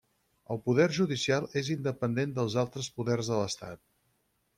El Poder Judicial és independent dels altres Poders de l'Estat.